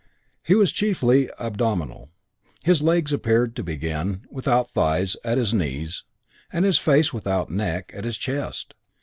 He was chiefly abdominal. His legs appeared to begin, without thighs, at his knees, and his face, without neck, at his chest.